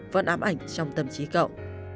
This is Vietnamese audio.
vẫn ám ảnh trong tâm trí cậu